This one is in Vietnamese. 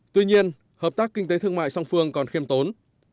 tuy nhiên hợp tác kinh tế thương mại song phương còn khiêm tốn